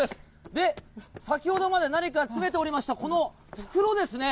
で、先ほどまで何か詰めておりました、この袋ですね。